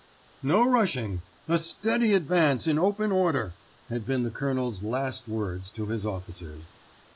"No rushing, a steady advance in open order," had been the Colonel's last words to his officers.